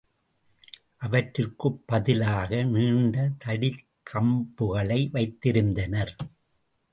அவற்றிற்குப் பதிலாக நீண்ட தடிக் கம்புகளை வைத்திருந்தனர்.